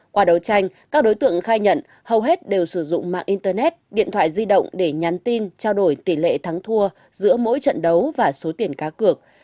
qua đấu tranh các đối tượng khai nhận hầu hết đều sử dụng mạng internet điện thoại di động để nhắn tin trao đổi tỷ lệ thắng thua giữa mỗi trận đấu và số tiền cá cược